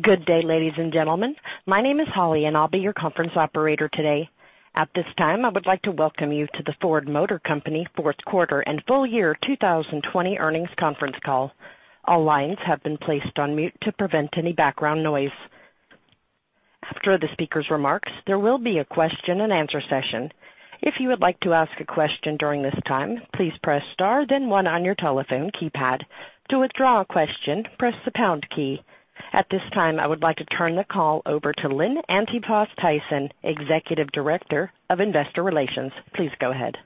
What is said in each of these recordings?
Good day, ladies and gentlemen. My name is Holly, and I'll be your conference operator today. At this time, I would like to welcome you to the Ford Motor Company fourth quarter and full year 2020 earnings conference call. All lines have been placed on mute to prevent any background noise. After the speaker's remarks, there will be a question and answer session. If you would like to ask a question during this time, please press star then one on your telephone keypad. To withdraw a question, press the pound key. At this time, I would like to turn the call over to Lynn Antipas Tyson, Executive Director of Investor Relations. Please go ahead.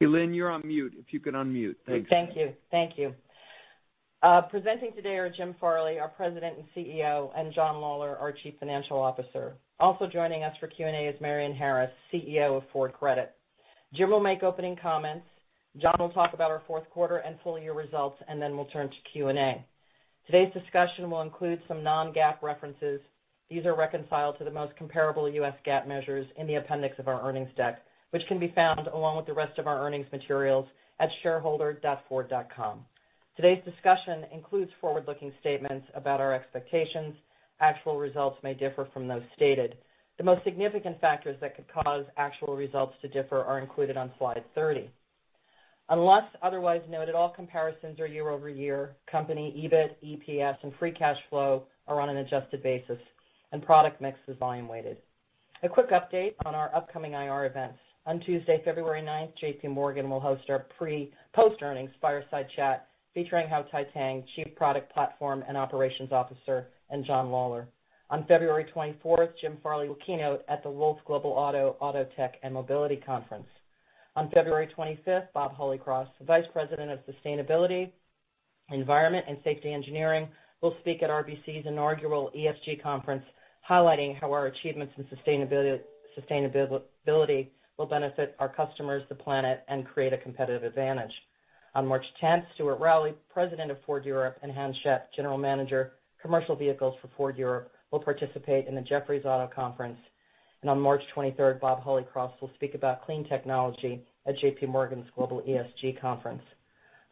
Hey, Lynn, you're on mute. If you could unmute. Thanks. Thank you. Thank you. Presenting today are Jim Farley, our President and CEO, and John Lawler, our Chief Financial Officer. Also joining us for Q&A is Marion Harris, CEO of Ford Credit. Jim will make opening comments, John will talk about our fourth quarter and full year results. Then we'll turn to Q&A. Today's discussion will include some non-GAAP references. These are reconciled to the most comparable U.S. GAAP measures in the appendix of our earnings deck, which can be found along with the rest of our earnings materials at shareholder.ford.com. Today's discussion includes forward-looking statements about our expectations. Actual results may differ from those stated. The most significant factors that could cause actual results to differ are included on slide 30. Unless otherwise noted, all comparisons are year-over-year. Company EBIT, EPS, and free cash flow are on an adjusted basis. Product mix is volume weighted. A quick update on our upcoming IR events. On Tuesday, February 9th, JPMorgan will host our post-earnings fireside chat featuring Hau Thai-Tang, Chief Product, Platform, and Operations Officer, and John Lawler. On February 24th, Jim Farley will keynote at the Wolfe's Global Auto Tech, and Mobility Conference. On February 25th, Bob Holycross, Vice President of Sustainability, Environment, and Safety Engineering, will speak at RBC's inaugural ESG conference, highlighting how our achievements in sustainability will benefit our customers, the planet, and create a competitive advantage. On March 10th, Stuart Rowley, President of Ford Europe, and Hans Schep, General Manager, Commercial Vehicles for Ford Europe, will participate in the Jefferies Auto Conference. On March 23rd, Bob Holycross will speak about clean technology at JPMorgan's Global ESG Conference.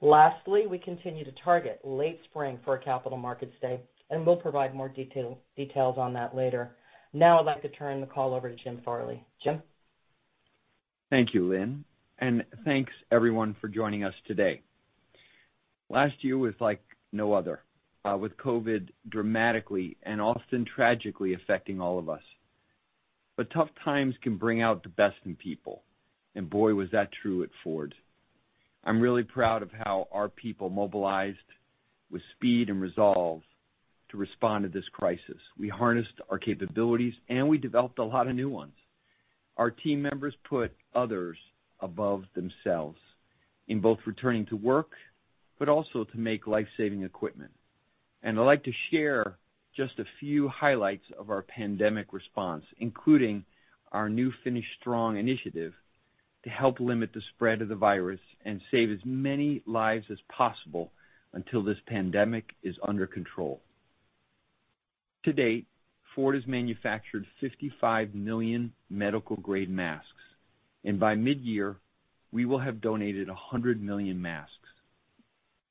Lastly, we continue to target late spring for a Capital Markets Day, and we'll provide more details on that later. Now I'd like to turn the call over to Jim Farley. Jim? Thank you, Lynn. Thanks everyone for joining us today. Last year was like no other, with COVID dramatically and often tragically affecting all of us. Tough times can bring out the best in people, and boy, was that true at Ford. I'm really proud of how our people mobilized with speed and resolve to respond to this crisis. We harnessed our capabilities and we developed a lot of new ones. Our team members put others above themselves in both returning to work, but also to make life-saving equipment. I'd like to share just a few highlights of our pandemic response, including our new Finish Strong initiative to help limit the spread of the virus and save as many lives as possible until this pandemic is under control. To date, Ford has manufactured 55 million medical-grade masks, and by mid-year, we will have donated 100 million masks.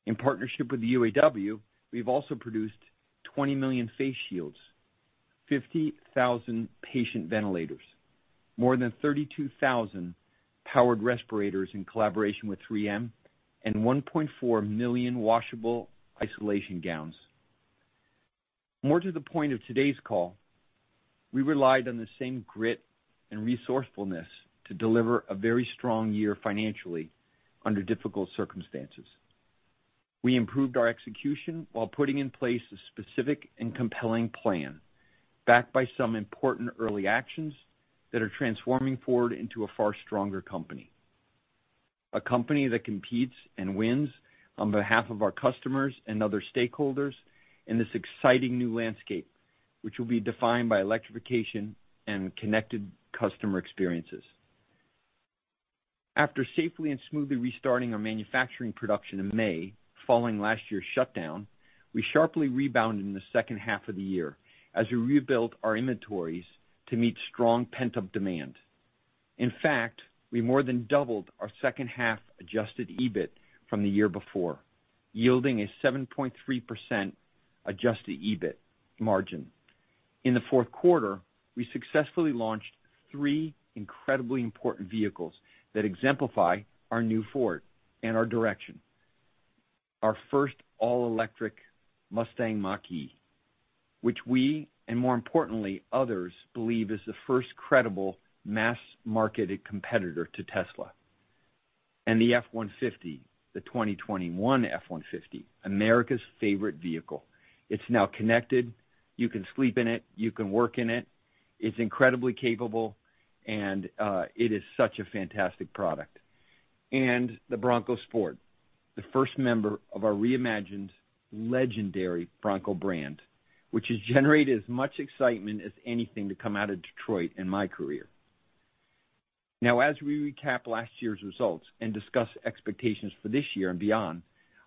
In partnership with the UAW, we've also produced 20 million face shields, 50,000 patient ventilators, more than 32,000 powered respirators in collaboration with 3M, and 1.4 million washable isolation gowns. More to the point of today's call, we relied on the same grit and resourcefulness to deliver a very strong year financially under difficult circumstances. We improved our execution while putting in place a specific and compelling plan backed by some important early actions that are transforming Ford into a far stronger company, a company that competes and wins on behalf of our customers and other stakeholders in this exciting new landscape, which will be defined by electrification and connected customer experiences. After safely and smoothly restarting our manufacturing production in May following last year's shutdown, we sharply rebounded in the second half of the year as we rebuilt our inventories to meet strong pent-up demand. In fact, we more than doubled our second half adjusted EBIT from the year before, yielding a 7.3% adjusted EBIT margin. In the fourth quarter, we successfully launched three incredibly important vehicles that exemplify our new Ford and our direction. Our first all-electric Mustang Mach-E, which we, and more importantly, others believe is the first credible mass-marketed competitor to Tesla. The F-150, the 2021 F-150, America's favorite vehicle. It's now connected. You can sleep in it. You can work in it. It's incredibly capable, and it is such a fantastic product. The Bronco Sport, the first member of our reimagined legendary Bronco brand, which has generated as much excitement as anything to come out of Detroit in my career. As we recap last year's results and discuss expectations for this year and beyond,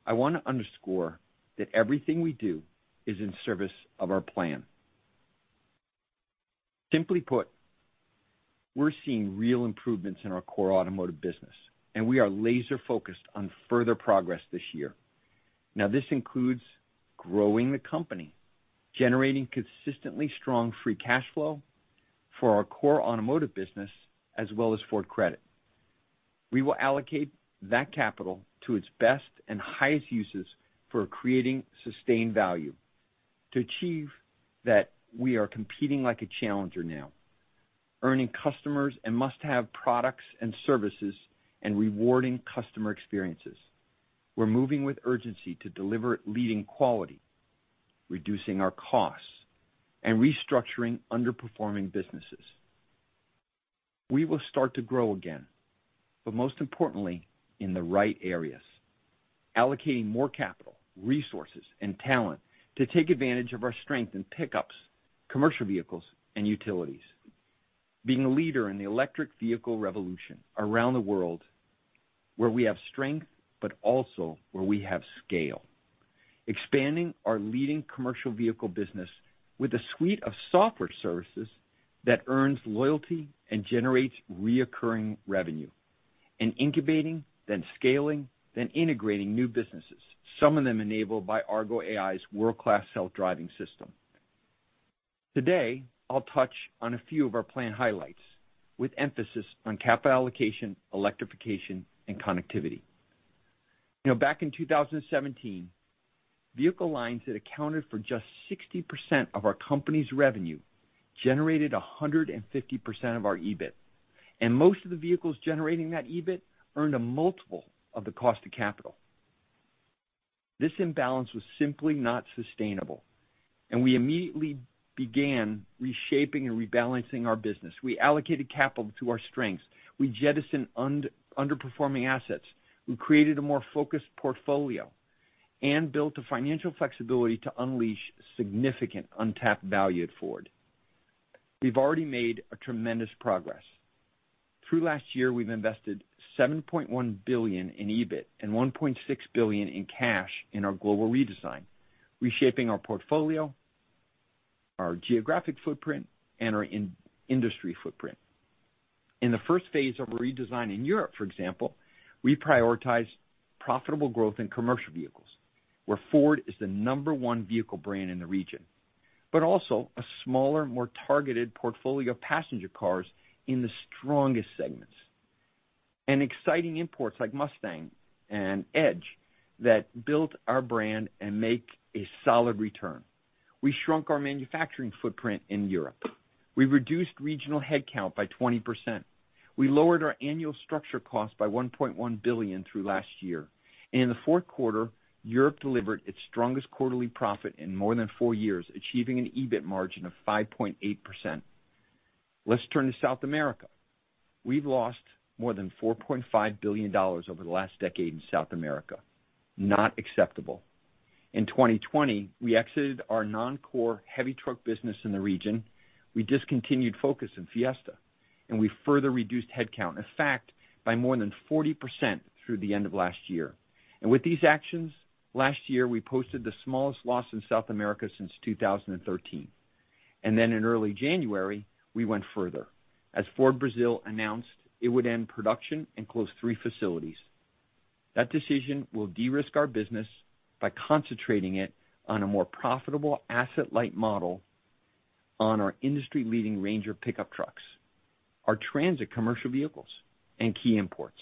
I want to underscore that everything we do is in service of our plan. Simply put, we're seeing real improvements in our core automotive business, and we are laser-focused on further progress this year. This includes growing the company, generating consistently strong free cash flow for our core automotive business, as well as Ford Credit. We will allocate that capital to its best and highest uses for creating sustained value. To achieve that, we are competing like a challenger now, earning customers and must-have products and services, and rewarding customer experiences. We're moving with urgency to deliver leading quality, reducing our costs, and restructuring underperforming businesses. We will start to grow again, most importantly, in the right areas, allocating more capital, resources, and talent to take advantage of our strength in pickups, commercial vehicles, and utilities. Being a leader in the electric vehicle revolution around the world, where we have strength, but also where we have scale. Expanding our leading commercial vehicle business with a suite of software services that earns loyalty and generates reoccurring revenue and incubating, then scaling, then integrating new businesses, some of them enabled by Argo AI's world-class self-driving system. Today, I'll touch on a few of our plan highlights with emphasis on capital allocation, electrification, and connectivity. Back in 2017, vehicle lines that accounted for just 60% of our company's revenue generated 150% of our EBIT, and most of the vehicles generating that EBIT earned a multiple of the cost of capital. This imbalance was simply not sustainable, and we immediately began reshaping and rebalancing our business. We allocated capital to our strengths. We jettisoned underperforming assets. We created a more focused portfolio and built the financial flexibility to unleash significant untapped value at Ford. We've already made tremendous progress. Through last year, we've invested $7.1 billion in EBIT and $1.6 billion in cash in our global redesign, reshaping our portfolio, our geographic footprint, and our industry footprint. In the first phase of a redesign in Europe, for example, we prioritized profitable growth in commercial vehicles, where Ford is the number one vehicle brand in the region, but also a smaller, more targeted portfolio of passenger cars in the strongest segments. Exciting imports like Mustang and Edge that built our brand and make a solid return. We shrunk our manufacturing footprint in Europe. We reduced regional headcount by 20%. We lowered our annual structure cost by $1.1 billion through last year. In the fourth quarter, Europe delivered its strongest quarterly profit in more than four years, achieving an EBIT margin of 5.8%. Let's turn to South America. We've lost more than $4.5 billion over the last decade in South America. Not acceptable. In 2020, we exited our non-core heavy truck business in the region. We discontinued Focus and Fiesta, and we further reduced headcount, in fact, by more than 40% through the end of last year. With these actions, last year, we posted the smallest loss in South America since 2013. In early January, we went further. As Ford Brazil announced it would end production and close three facilities. That decision will de-risk our business by concentrating it on a more profitable asset-light model on our industry-leading Ranger pickup trucks, our Transit commercial vehicles, and key imports.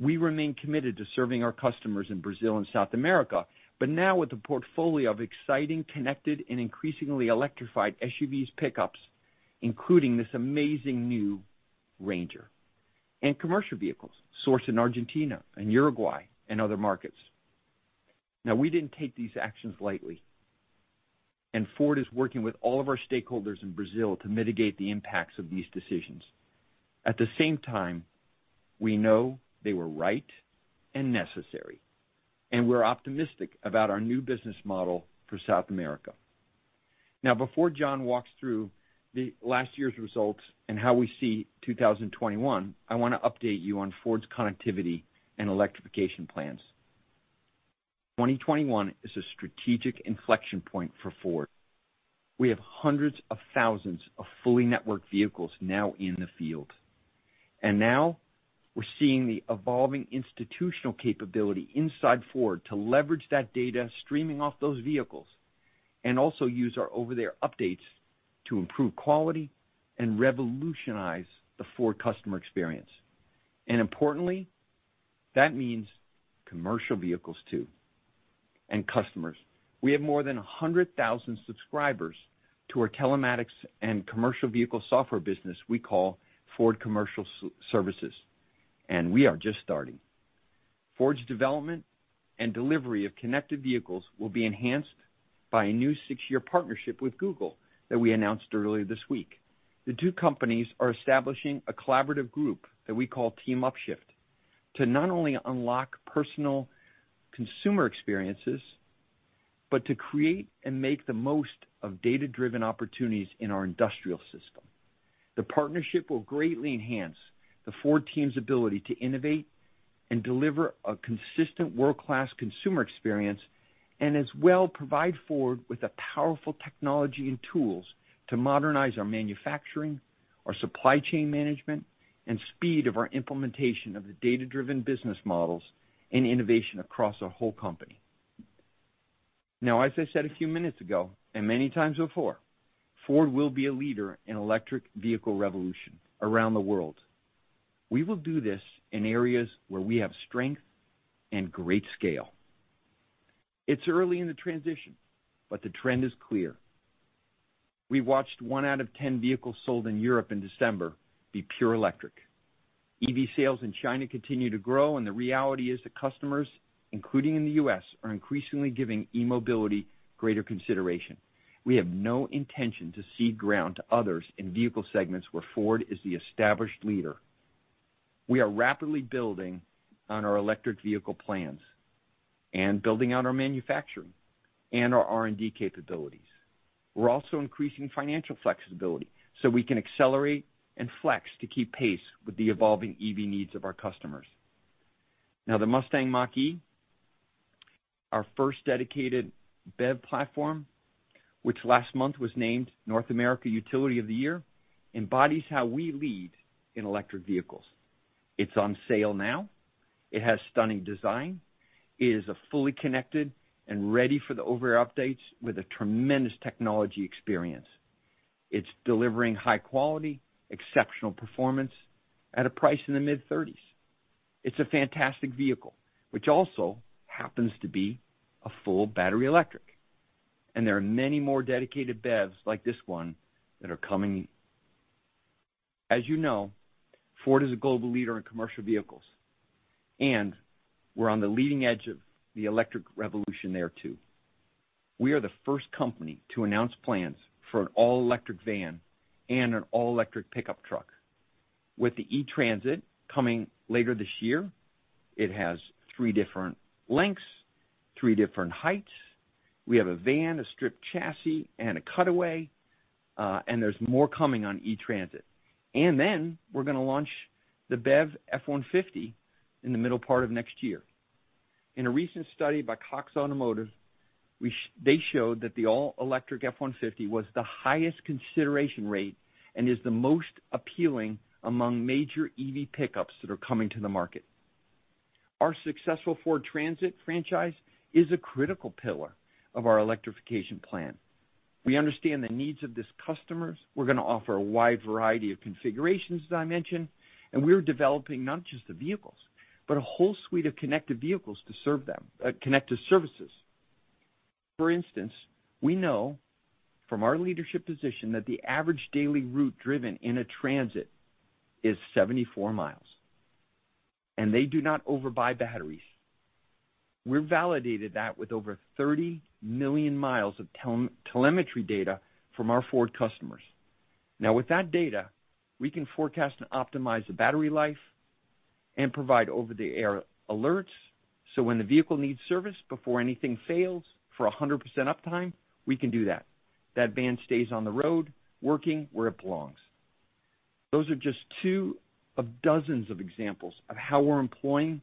We remain committed to serving our customers in Brazil and South America, now with a portfolio of exciting, connected, and increasingly electrified SUVs, pickups, including this amazing new Ranger, and commercial vehicles sourced in Argentina and Uruguay and other markets. We didn't take these actions lightly, Ford is working with all of our stakeholders in Brazil to mitigate the impacts of these decisions. At the same time, we know they were right and necessary, we're optimistic about our new business model for South America. Before John walks through last year's results and how we see 2021, I want to update you on Ford's connectivity and electrification plans. 2021 is a strategic inflection point for Ford. We have hundreds of thousands of fully networked vehicles now in the field, and now we're seeing the evolving institutional capability inside Ford to leverage that data streaming off those vehicles and also use our over-the-air updates to improve quality and revolutionize the Ford customer experience. Importantly, that means commercial vehicles too, and customers. We have more than 100,000 subscribers to our telematics and commercial vehicle software business we call Ford Commercial Services, and we are just starting. Ford's development and delivery of connected vehicles will be enhanced by a new six-year partnership with Google that we announced earlier this week. The two companies are establishing a collaborative group that we call Team Upshift to not only unlock personal consumer experiences, but to create and make the most of data-driven opportunities in our industrial systems. The partnership will greatly enhance the Ford team's ability to innovate and deliver a consistent world-class consumer experience, and as well provide Ford with the powerful technology and tools to modernize our manufacturing, our supply chain management, and speed of our implementation of the data-driven business models and innovation across our whole company. As I said a few minutes ago, and many times before, Ford will be a leader in electric vehicle revolution around the world. We will do this in areas where we have strength and great scale. It's early in the transition, but the trend is clear. We watched one out of 10 vehicles sold in Europe in December be pure electric. EV sales in China continue to grow, and the reality is that customers, including in the U.S., are increasingly giving e-mobility greater consideration. We have no intention to cede ground to others in vehicle segments where Ford is the established leader. We are rapidly building on our electric vehicle plans and building out our manufacturing and our R&D capabilities. We're also increasing financial flexibility so we can accelerate and flex to keep pace with the evolving EV needs of our customers. Now, the Mustang Mach-E, our first dedicated BEV platform, which last month was named North America Utility of the Year, embodies how we lead in electric vehicles. It's on sale now. It has stunning design. It is a fully connected and ready for the over-air updates with a tremendous technology experience. It's delivering high quality, exceptional performance at a price in the mid-30s. It's a fantastic vehicle, which also happens to be a full battery electric, and there are many more dedicated BEVs like this one that are coming. As you know, Ford is a global leader in commercial vehicles, and we're on the leading edge of the electric revolution there, too. We are the first company to announce plans for an all-electric van and an all-electric pickup truck. With the E-Transit coming later this year, it has three different lengths, three different heights. We have a van, a stripped chassis, and a cutaway, and there's more coming on E-Transit. Then we're going to launch the BEV F-150 in the middle part of next year. In a recent study by Cox Automotive, they showed that the all-electric F-150 was the highest consideration rate and is the most appealing among major EV pickups that are coming to the market. Our successful Ford Transit franchise is a critical pillar of our electrification plan. We understand the needs of these customers. We're going to offer a wide variety of configurations, as I mentioned, and we're developing not just the vehicles, but a whole suite of connected services to serve them. For instance, we know from our leadership position that the average daily route driven in a Transit is 74 mi, and they do not overbuy batteries. We've validated that with over 30 million miles of telemetry data from our Ford customers. Now, with that data, we can forecast and optimize the battery life and provide over-the-air alerts, so when the vehicle needs service before anything fails for 100% uptime, we can do that. That van stays on the road, working where it belongs. Those are just two of dozens of examples of how we're employing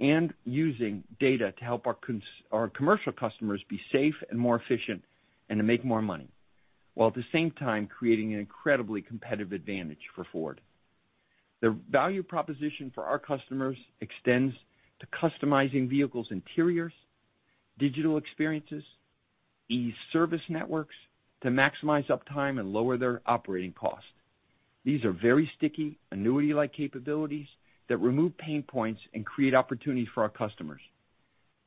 and using data to help our commercial customers be safe and more efficient and to make more money, while at the same time creating an incredibly competitive advantage for Ford. The value proposition for our customers extends to customizing vehicles' interiors, digital experiences, e-service networks to maximize uptime and lower their operating costs. These are very sticky, annuity-like capabilities that remove pain points and create opportunities for our customers.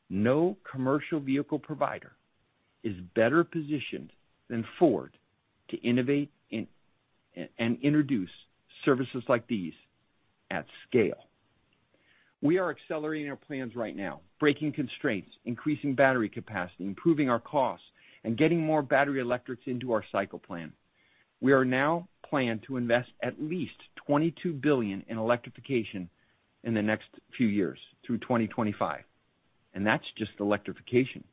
No commercial vehicle provider is better positioned than Ford to innovate and introduce services like these at scale. We are accelerating our plans right now, breaking constraints, increasing battery capacity, improving our costs, and getting more battery electrics into our cycle plan. We are now planned to invest at least $22 billion in electrification in the next few years through 2025, and that's just electrification.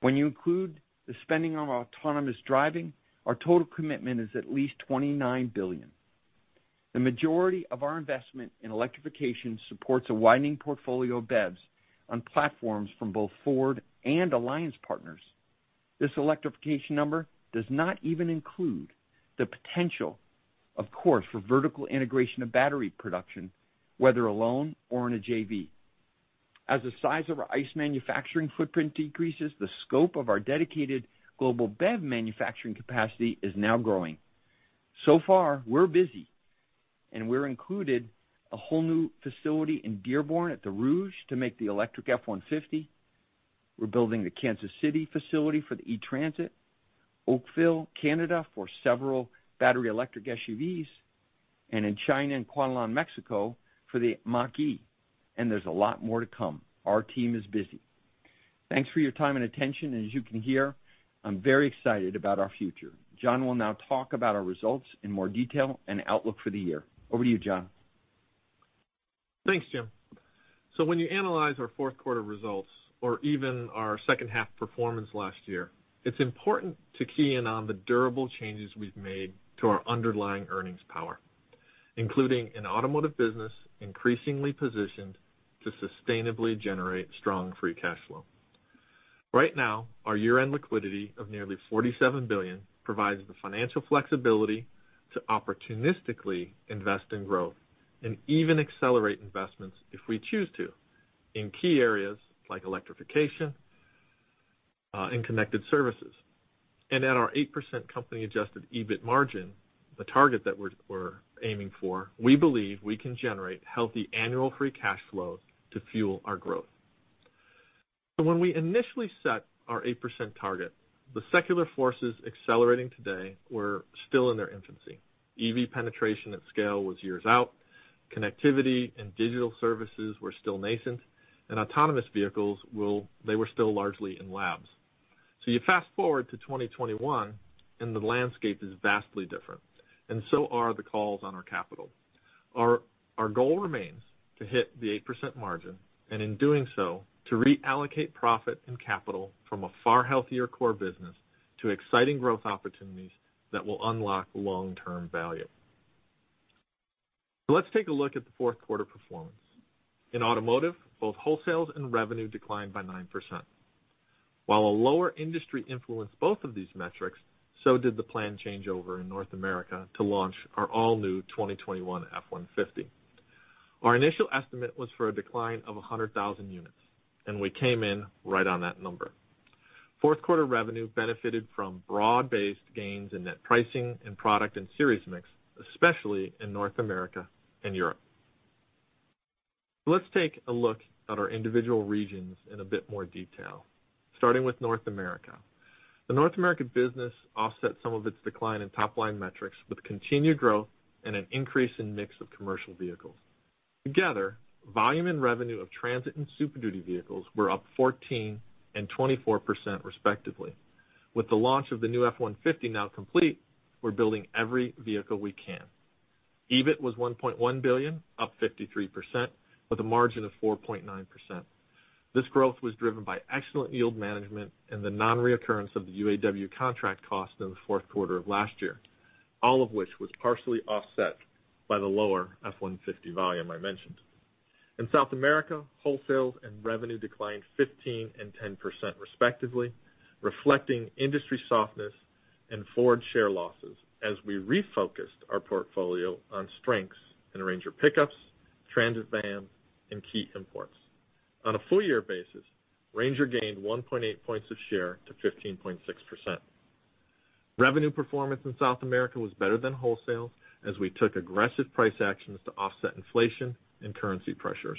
When you include the spending on our autonomous driving, our total commitment is at least $29 billion. The majority of our investment in electrification supports a widening portfolio of BEVs on platforms from both Ford and alliance partners. This electrification number does not even include the potential, of course, for vertical integration of battery production, whether alone or in a JV. As the size of our ICE manufacturing footprint decreases, the scope of our dedicated global BEV manufacturing capacity is now growing. Far, we're busy, and we're included a whole new facility in Dearborn at The Rouge to make the electric F-150. We're building the Kansas City facility for the E-Transit, Oakville, Canada for several battery electric SUVs, and in China and Cuautitlan, Mexico for the Mach-E. There's a lot more to come. Our team is busy. Thanks for your time and attention. As you can hear, I'm very excited about our future. John will now talk about our results in more detail and outlook for the year. Over to you, John. Thanks, Jim. When you analyze our fourth quarter results or even our second half performance last year, it's important to key in on the durable changes we've made to our underlying earnings power, including an automotive business increasingly positioned to sustainably generate strong free cash flow. Right now, our year-end liquidity of nearly $47 billion provides the financial flexibility to opportunistically invest in growth and even accelerate investments if we choose to in key areas like electrification and connected services. At our 8% company-adjusted EBIT margin, the target that we're aiming for, we believe we can generate healthy annual free cash flow to fuel our growth. When we initially set our 8% target, the secular forces accelerating today were still in their infancy. EV penetration at scale was years out, connectivity and digital services were still nascent, and autonomous vehicles were still largely in labs. You fast-forward to 2021, and the landscape is vastly different and so are the calls on our capital. Our goal remains to hit the 8% margin, and in doing so, to reallocate profit and capital from a far healthier core business to exciting growth opportunities that will unlock long-term value. Let's take a look at the fourth quarter performance. In automotive, both wholesales and revenue declined by 9%. While a lower industry influenced both of these metrics, so did the plan changeover in North America to launch our all-new 2021 F-150. Our initial estimate was for a decline of 100,000 units, and we came in right on that number. Fourth quarter revenue benefited from broad-based gains in net pricing and product and series mix, especially in North America and Europe. Let's take a look at our individual regions in a bit more detail, starting with North America. The North American business offset some of its decline in top-line metrics with continued growth and an increase in mix of commercial vehicles. Together, volume and revenue of Transit and Super Duty vehicles were up 14% and 24% respectively. With the launch of the new F-150 now complete, we're building every vehicle we can. EBIT was $1.1 billion, up 53%, with a margin of 4.9%. This growth was driven by excellent yield management and the non-reoccurrence of the UAW contract cost in the fourth quarter of last year, all of which was partially offset by the lower F-150 volume I mentioned. In South America, wholesales and revenue declined 15% and 10% respectively, reflecting industry softness and Ford share losses as we refocused our portfolio on strengths in Ranger pickups, Transit vans, and key imports. On a full-year basis, Ranger gained 1.8 points of share to 15.6%. Revenue performance in South America was better than wholesale as we took aggressive price actions to offset inflation and currency pressures.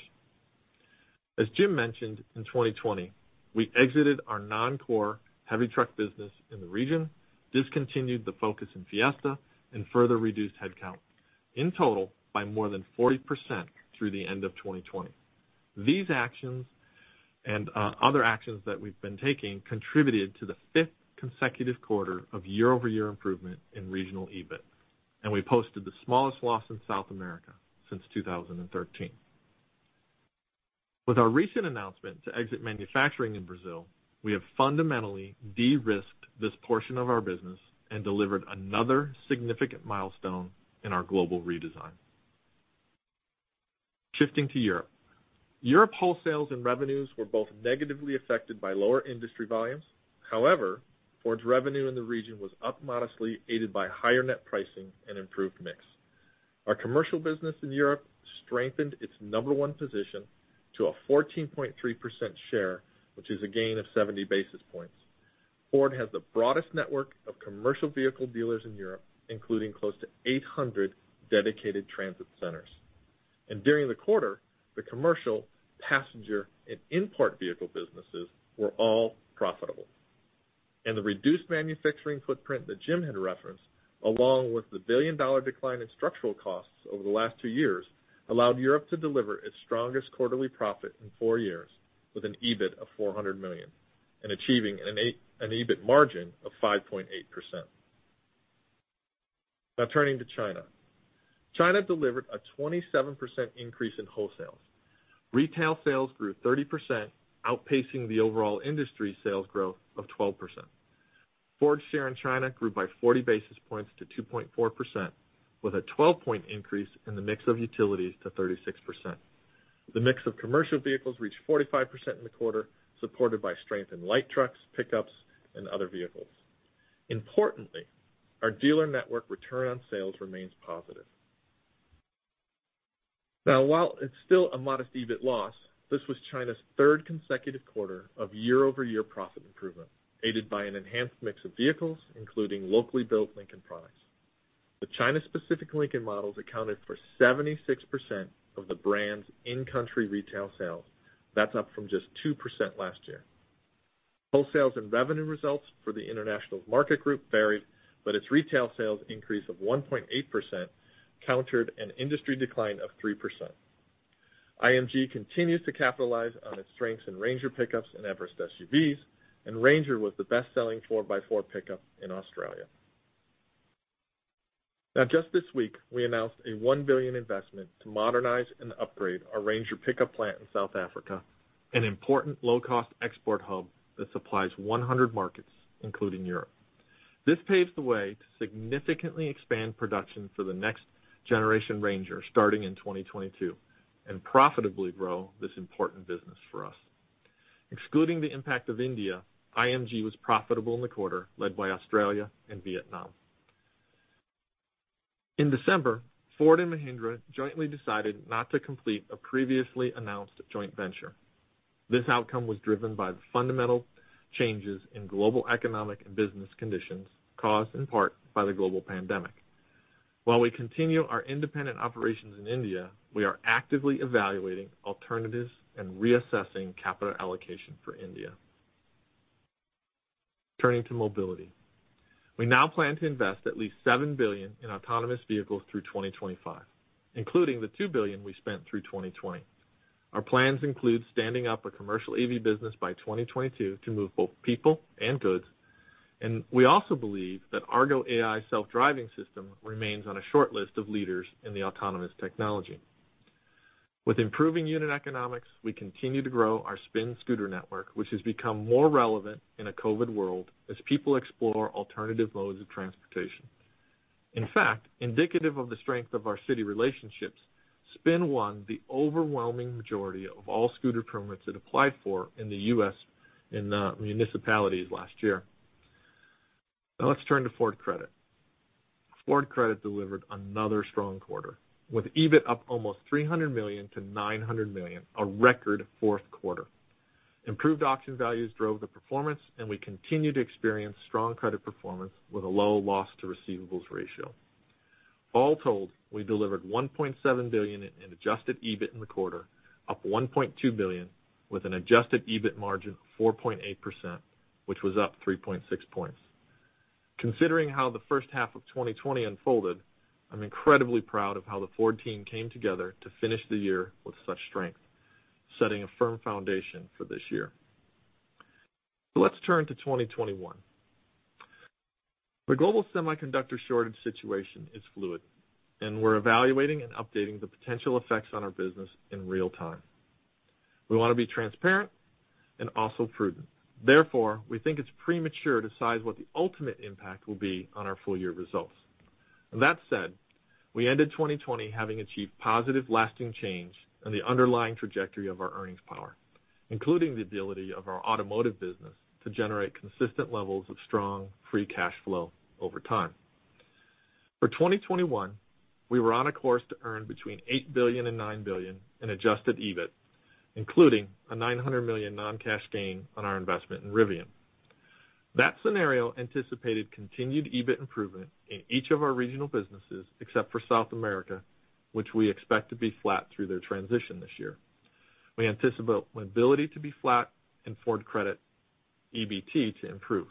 As Jim mentioned, in 2020, we exited our non-core heavy truck business in the region, discontinued the Focus and Fiesta, and further reduced headcount, in total, by more than 40% through the end of 2020. These actions and other actions that we've been taking contributed to the fifth consecutive quarter of year-over-year improvement in regional EBIT, and we posted the smallest loss in South America since 2013. With our recent announcement to exit manufacturing in Brazil, we have fundamentally de-risked this portion of our business and delivered another significant milestone in our global redesign. Shifting to Europe. Europe wholesales and revenues were both negatively affected by lower industry volumes. However, Ford's revenue in the region was up modestly, aided by higher net pricing and improved mix. Our commercial business in Europe strengthened its number one position to a 14.3% share, which is a gain of 70 basis points. Ford has the broadest network of commercial vehicle dealers in Europe, including close to 800 dedicated Transit centers. During the quarter, the commercial, passenger, and import vehicle businesses were all profitable. The reduced manufacturing footprint that Jim had referenced, along with the billion-dollar decline in structural costs over the last two years, allowed Europe to deliver its strongest quarterly profit in four years with an EBIT of $400 million and achieving an EBIT margin of 5.8%. Now turning to China. China delivered a 27% increase in wholesales. Retail sales grew 30%, outpacing the overall industry sales growth of 12%. Ford's share in China grew by 40 basis points to 2.4%, with a 12-point increase in the mix of utilities to 36%. The mix of commercial vehicles reached 45% in the quarter, supported by strength in light trucks, pickups, and other vehicles. Importantly, our dealer network return on sales remains positive. While it's still a modest EBIT loss, this was China's third consecutive quarter of year-over-year profit improvement, aided by an enhanced mix of vehicles, including locally built Lincoln products. The China-specific Lincoln models accounted for 76% of the brand's in-country retail sales. That's up from just 2% last year. Wholesales and revenue results for the International Market Group varied, its retail sales increase of 1.8% countered an industry decline of 3%. IMG continues to capitalize on its strengths in Ranger pickups and Everest SUVs, and Ranger was the best-selling 4x4 pickup in Australia. Just this week, we announced a $1 billion investment to modernize and upgrade our Ranger pickup plant in South Africa, an important low-cost export hub that supplies 100 markets, including Europe. This paves the way to significantly expand production for the next generation Ranger starting in 2022 and profitably grow this important business for us. Excluding the impact of India, IMG was profitable in the quarter, led by Australia and Vietnam. In December, Ford and Mahindra jointly decided not to complete a previously announced joint venture. This outcome was driven by the fundamental changes in global economic and business conditions, caused in part by the global pandemic. While we continue our independent operations in India, we are actively evaluating alternatives and reassessing capital allocation for India. Turning to mobility. We now plan to invest at least $7 billion in autonomous vehicles through 2025, including the $2 billion we spent through 2020. Our plans include standing up a commercial EV business by 2022 to move both people and goods. We also believe that Argo AI self-driving system remains on a shortlist of leaders in the autonomous technology. With improving unit economics, we continue to grow our Spin scooter network, which has become more relevant in a COVID world as people explore alternative modes of transportation. In fact, indicative of the strength of our city relationships, Spin won the overwhelming majority of all scooter permits it applied for in the U.S. in the municipalities last year. Now let's turn to Ford Credit. Ford Credit delivered another strong quarter, with EBIT up almost $300 million to $900 million, a record fourth quarter. Improved auction values drove the performance, and we continue to experience strong credit performance with a low loss to receivables ratio. All told, we delivered $1.7 billion in adjusted EBIT in the quarter, up $1.2 billion with an adjusted EBIT margin of 4.8%, which was up 3.6 points. Considering how the first half of 2020 unfolded, I'm incredibly proud of how the Ford team came together to finish the year with such strength, setting a firm foundation for this year. Let's turn to 2021. The global semiconductor shortage situation is fluid, and we're evaluating and updating the potential effects on our business in real time. We want to be transparent and also prudent. Therefore, we think it's premature to size what the ultimate impact will be on our full year results. That said, we ended 2020 having achieved positive, lasting change in the underlying trajectory of our earnings power, including the ability of our automotive business to generate consistent levels of strong, free cash flow over time. For 2021, we were on a course to earn between $8 billion and $9 billion in adjusted EBIT, including a $900 million non-cash gain on our investment in Rivian. That scenario anticipated continued EBIT improvement in each of our regional businesses, except for South America, which we expect to be flat through their transition this year. We anticipate mobility to be flat and Ford Credit EBT to improve.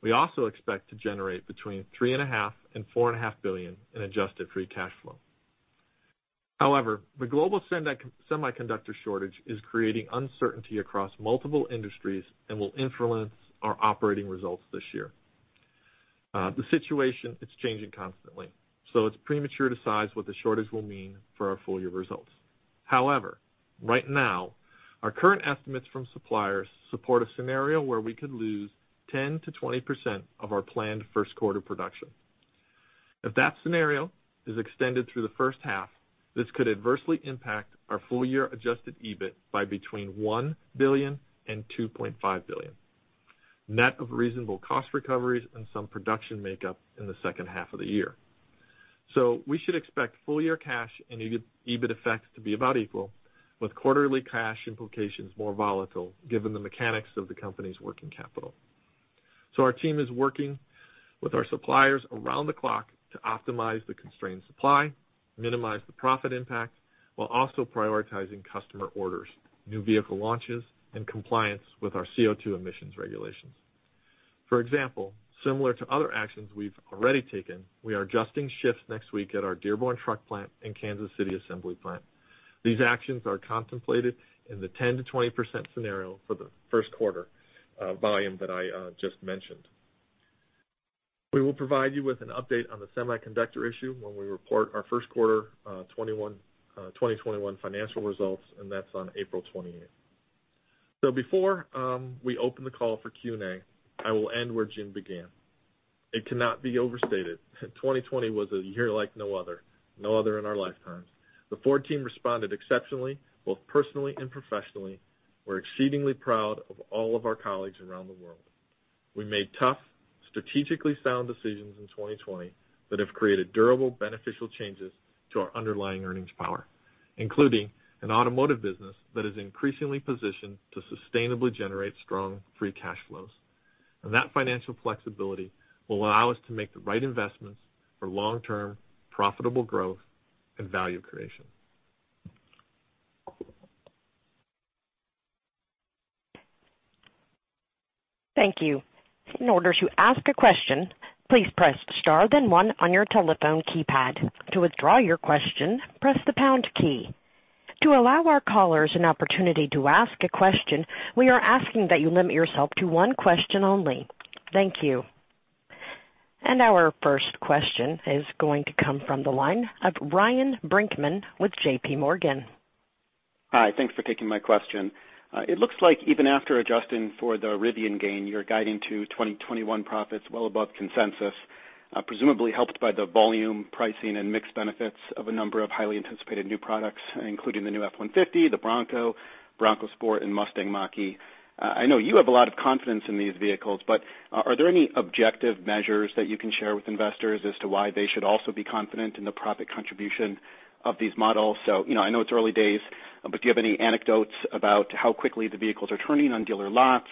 We also expect to generate between $3.5 billion and $4.5 billion in adjusted free cash flow. However, the global semiconductor shortage is creating uncertainty across multiple industries and will influence our operating results this year. The situation is changing constantly. It's premature to size what the shortage will mean for our full-year results. However, right now, our current estimates from suppliers support a scenario where we could lose 10%-20% of our planned first quarter production. If that scenario is extended through the first half, this could adversely impact our full year adjusted EBIT by between $1 billion and $2.5 billion, net of reasonable cost recoveries and some production makeup in the second half of the year. We should expect full year cash and EBIT effects to be about equal, with quarterly cash implications more volatile given the mechanics of the company's working capital. Our team is working with our suppliers around the clock to optimize the constrained supply, minimize the profit impact, while also prioritizing customer orders, new vehicle launches, and compliance with our CO2 emissions regulations. For example, similar to other actions we've already taken, we are adjusting shifts next week at our Dearborn Truck Plant and Kansas City Assembly Plant. These actions are contemplated in the 10%-20% scenario for the first quarter volume that I just mentioned. We will provide you with an update on the semiconductor issue when we report our first quarter 2021 financial results. That's on April 28th. Before we open the call for Q&A, I will end where Jim began. It cannot be overstated that 2020 was a year like no other, no other in our lifetimes. The Ford team responded exceptionally, both personally and professionally. We're exceedingly proud of all of our colleagues around the world. We made tough, strategically sound decisions in 2020 that have created durable, beneficial changes to our underlying earnings power, including an automotive business that is increasingly positioned to sustainably generate strong free cash flows. That financial flexibility will allow us to make the right investments for long-term profitable growth and value creation. Thank you. In order to ask a question, please press star then one on your telephone keypad. To withdraw your question, press the pound key. To allow our callers an opportunity to ask a question, we are asking that you limit yourself to one question only. Thank you. Our first question is going to come from the line of Ryan Brinkman with JPMorgan. Hi. Thanks for taking my question. It looks like even after adjusting for the Rivian gain, you're guiding to 2021 profits well above consensus, presumably helped by the volume, pricing, and mix benefits of a number of highly anticipated new products, including the new F-150, the Bronco Sport, and Mustang Mach-E. Are there any objective measures that you can share with investors as to why they should also be confident in the profit contribution of these models? I know it's early days, but do you have any anecdotes about how quickly the vehicles are turning on dealer lots,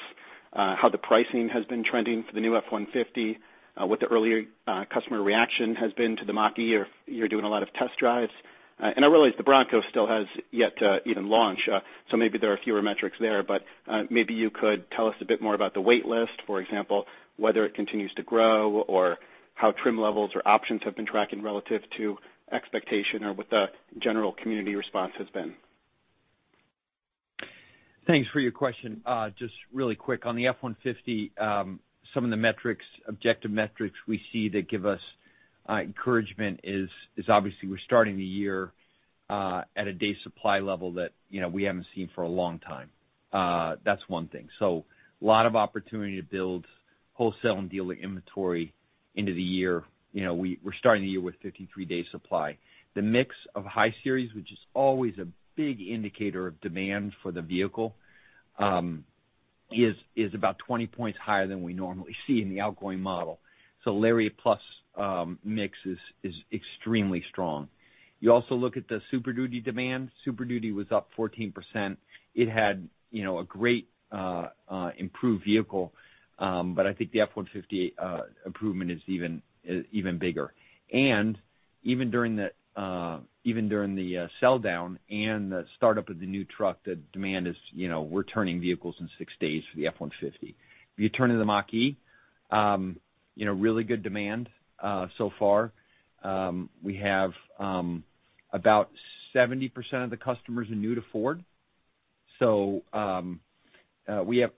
how the pricing has been trending for the new F-150, what the early customer reaction has been to the Mach-E, or if you're doing a lot of test drives? I realize the Bronco still has yet to even launch, so maybe there are fewer metrics there, but maybe you could tell us a bit more about the wait list, for example, whether it continues to grow or how trim levels or options have been tracking relative to expectation, or what the general community response has been. Thanks for your question. Just really quick, on the F-150, some of the metrics, objective metrics we see that give us encouragement is obviously we're starting the year at a day supply level that we haven't seen for a long time. That's one thing. A lot of opportunity to build wholesale and dealer inventory into the year. We're starting the year with 53 day supply. The mix of high series, which is always a big indicator of demand for the vehicle, is about 20 points higher than we normally see in the outgoing model. Lariat Plus mix is extremely strong. You also look at the Super Duty demand. Super Duty was up 14%. It had a great improved vehicle. I think the F-150 improvement is even bigger. Even during the sell-down and the start-up of the new truck, the demand is we're turning vehicles in six days for the F-150. If you turn to the Mach-E, really good demand so far. We have about 70% of the customers are new to Ford. So we have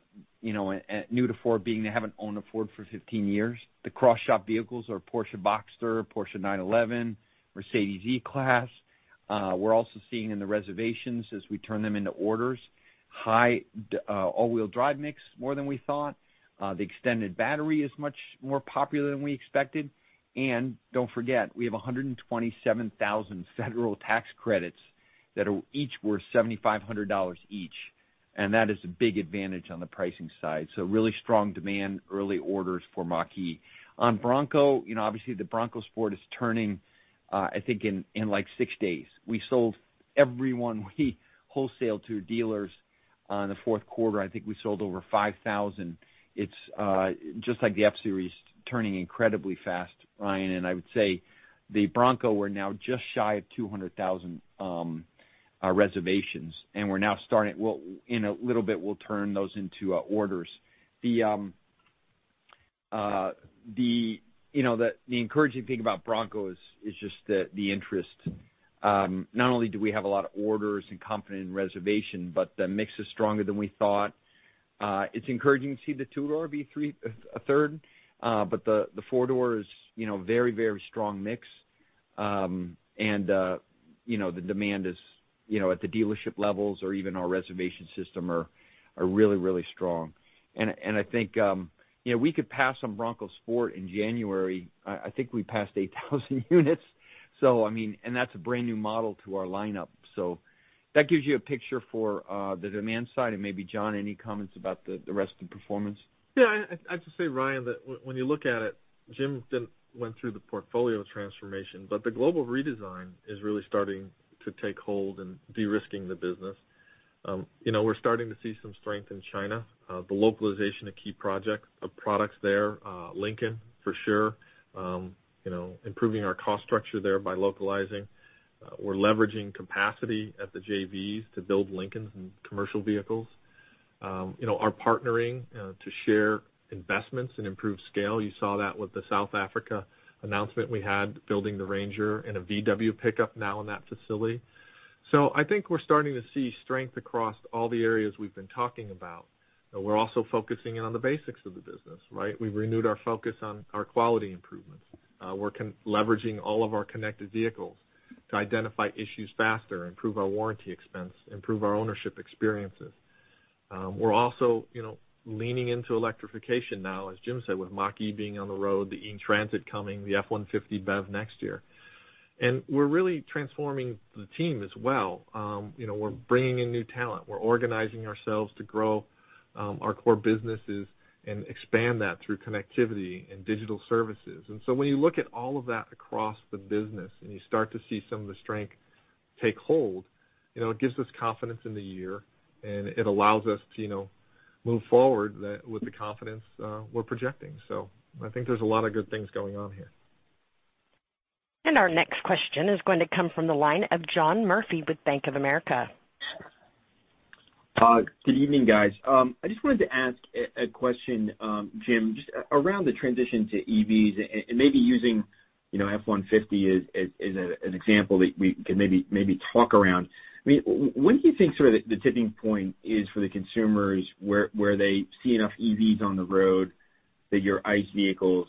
new to Ford, being they haven't owned a Ford for 15 years. The cross-shop vehicles are Porsche Boxster, Porsche 911, Mercedes E-Class. We're also seeing in the reservations as we turn them into orders, high all-wheel drive mix, more than we thought. The extended battery is much more popular than we expected. And don't forget, we have 127,000 federal tax credits that are each worth $7,500 each, and that is a big advantage on the pricing side. Really strong demand, early orders for Mach-E. On Bronco, obviously the Bronco Sport is turning, I think in, like, six days. We sold every one we wholesaled to dealers in the fourth quarter. I think we sold over 5,000. It's just like the F-Series, turning incredibly fast, Ryan. I would say the Bronco, we're now just shy of 200,000 reservations. In a little bit, we'll turn those into orders. The encouraging thing about Bronco is just the interest. Not only do we have a lot of orders and confident reservation, the mix is stronger than we thought. It's encouraging to see the two-door be a third. The four-door is very strong mix. The demand is at the dealership levels or even our reservation system are really strong. I think we could pass on Bronco Sport in January. I think we passed 8,000 units. That's a brand new model to our lineup. That gives you a picture for the demand side. Maybe, John, any comments about the rest of the performance? I have to say, Ryan, that when you look at it, Jim went through the portfolio transformation, the global redesign is really starting to take hold and de-risking the business. We're starting to see some strength in China, the localization of key products there. Lincoln, for sure, improving our cost structure there by localizing. We're leveraging capacity at the JVs to build Lincolns and commercial vehicles. Our partnering to share investments and improve scale. You saw that with the South Africa announcement we had, building the Ranger and a VW pickup now in that facility. I think we're starting to see strength across all the areas we've been talking about. We're also focusing in on the basics of the business, right? We've renewed our focus on our quality improvements. We're leveraging all of our connected vehicles to identify issues faster, improve our warranty expense, improve our ownership experiences. We're also leaning into electrification now, as Jim said, with Mach-E being on the road, the E-Transit coming, the F-150 BEV next year. We're really transforming the team as well. We're bringing in new talent. We're organizing ourselves to grow our core businesses and expand that through connectivity and digital services. When you look at all of that across the business and you start to see some of the strength take hold, it gives us confidence in the year, and it allows us to move forward with the confidence we're projecting. I think there's a lot of good things going on here. Our next question is going to come from the line of John Murphy with Bank of America. Good evening, guys. I just wanted to ask a question, Jim, just around the transition to EVs and maybe using F-150 as an example that we can maybe talk around. When do you think the tipping point is for the consumers, where they see enough EVs on the road that your ICE vehicles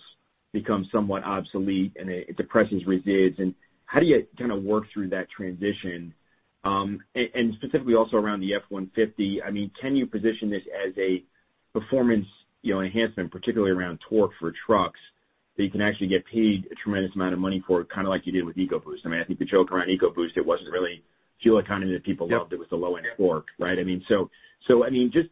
become somewhat obsolete and it depresses resales? How do you kind of work through that transition? Specifically also around the F-150, can you position this as a performance enhancement, particularly around torque for trucks, that you can actually get paid a tremendous amount of money for, kind of like you did with EcoBoost? And if you choke on an EcoBoost, it wasn't really, what people loved, it was the low-end torque. Right? Just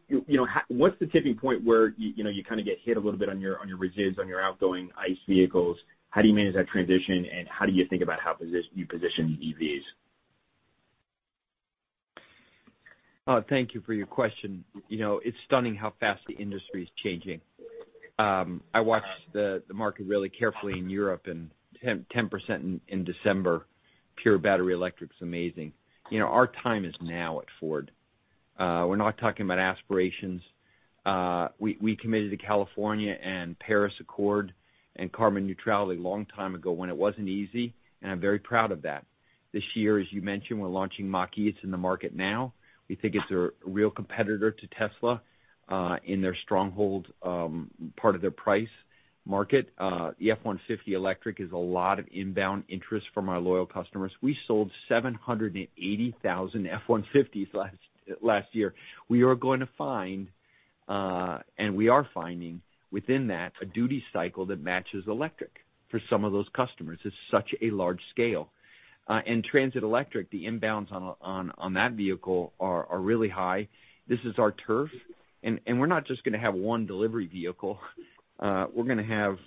what's the tipping point where you kind of get hit a little bit on your resales on your outgoing ICE vehicles? How do you manage that transition, and how do you think about how you position EVs? Thank you for your question. It's stunning how fast the industry's changing. I watch the market really carefully in Europe. 10% in December, pure battery electric's amazing. Our time is now at Ford. We're not talking about aspirations. We committed to California and Paris Accord and carbon neutrality a long time ago when it wasn't easy, and I'm very proud of that. This year, as you mentioned, we're launching Mach-E. It's in the market now. We think it's a real competitor to Tesla in their stronghold, part of their price market. The F-150 electric has a lot of inbound interest from our loyal customers. We sold 780,000 F-150s last year. We are going to find, and we are finding within that, a duty cycle that matches electric for some of those customers. It's such a large scale. Transit electric, the inbounds on that vehicle are really high. This is our turf. We're not just going to have one delivery vehicle. We're going to have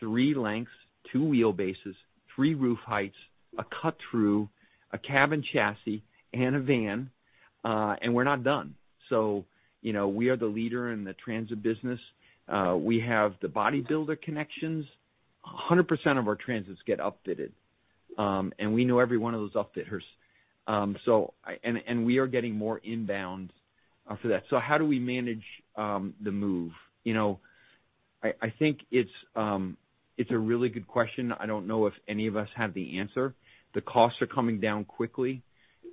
three lengths, two wheelbases, three roof heights, a cut-through, a cabin chassis, and a van. We're not done. We are the leader in the Transit business. We have the bodybuilder connections. 100% of our Transits get upfitted. We know every one of those upfitters. We are getting more inbound for that. How do we manage the move? I think it's a really good question. I don't know if any of us have the answer. The costs are coming down quickly.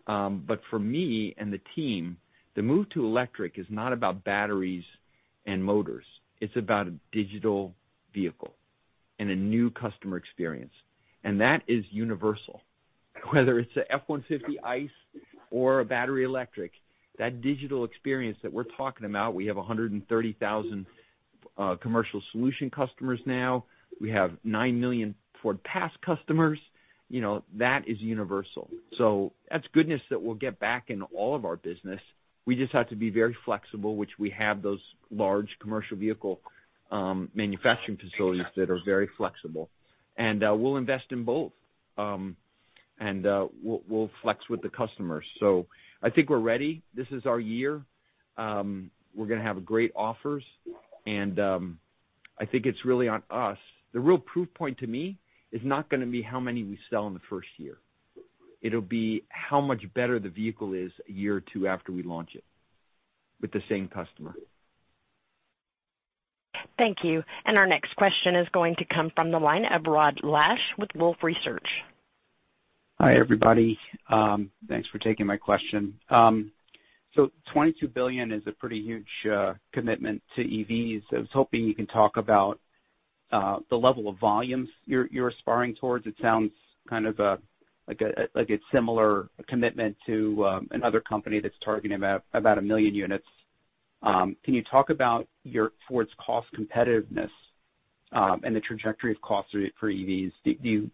For me and the team, the move to electric is not about batteries and motors. It's about a digital vehicle and a new customer experience. That is universal. Whether it's an F-150 ICE or a battery electric, that digital experience that we're talking about, we have 130,000 commercial solution customers now. We have nine million FordPass customers. That is universal. That's goodness that we'll get back in all of our business. We just have to be very flexible, which we have those large commercial vehicle manufacturing facilities that are very flexible. We'll invest in both. We'll flex with the customers. I think we're ready. This is our year. We're going to have great offers, and I think it's really on us. The real proof point to me is not going to be how many we sell in the first year. It'll be how much better the vehicle is a year or two after we launch it with the same customer. Thank you. Our next question is going to come from the line of Rod Lache with Wolfe Research. Hi, everybody. Thanks for taking my question. $22 billion is a pretty huge commitment to EVs. I was hoping you can talk about the level of volumes you're aspiring towards. It sounds kind of like a similar commitment to another company that's targeting about a million units. Can you talk about Ford's cost competitiveness and the trajectory of cost for EVs? Do you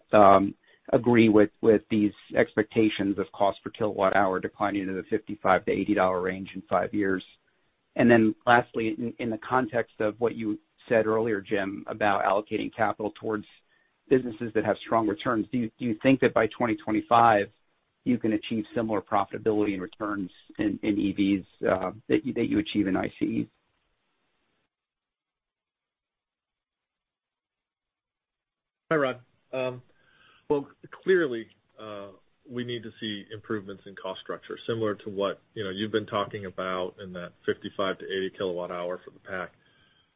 agree with these expectations of cost per kilowatt-hour declining into the $55-$80 range in five years? Lastly, in the context of what you said earlier, Jim, about allocating capital towards businesses that have strong returns, do you think that by 2025 you can achieve similar profitability and returns in EVs that you achieve in ICEs? Hi, Rod. Well, clearly, we need to see improvements in cost structure similar to what you've been talking about in that $55-$80 kilowatt hour for the pack.